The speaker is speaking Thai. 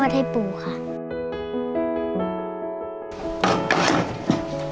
พี่น้องของหนูก็ช่วยย่าทำงานค่ะ